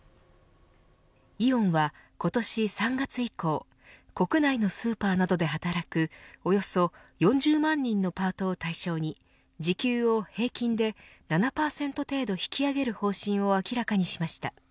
イオンは今年３月以降国内のスーパーなどで働くおよそ４０万人のパートを対象に時給を平均で７％程度引き上げる方針を明らかにしました。